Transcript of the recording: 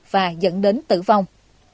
và dẫn đến tử vong